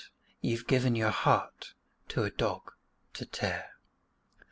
you've given your heart to a dog to tear.